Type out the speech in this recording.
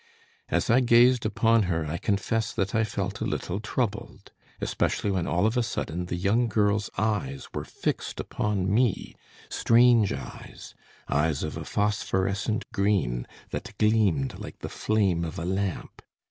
"As I gazed upon her I confess that I felt a little troubled, especially when all of a sudden the young girl's eyes were fixed upon me strange eyes, eyes of a phosphorescent green that gleamed like the flame of a lamp.